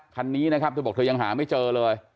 คันนี้นะครับเธอบอกเธอยังหาไม่เจอเลย